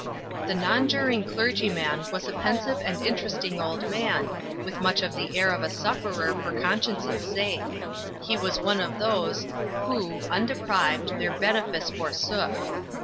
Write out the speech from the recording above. The nonjuring clergyman was a pensive and interesting old man, with much of the air of a sufferer for conscience' sake. He was one of those Who, undeprived, their benefice forsook.